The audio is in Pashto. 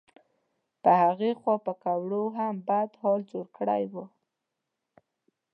په هغې خوا پیکوړو هم بد حال جوړ کړی و.